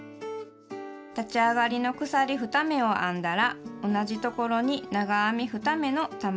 立ち上がりの鎖２目を編んだら同じところに長編み２目の玉編みを編みます。